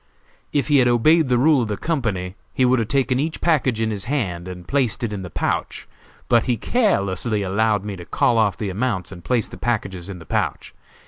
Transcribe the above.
If he had obeyed the rule of the company he would have taken each package in his hand and placed it in the pouch, but he carelessly allowed me to call off the amounts and place the packages in the pouch.